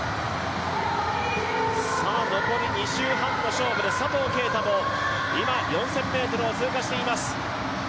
残り２周半の勝負で佐藤圭汰も今、４０００ｍを通過しています。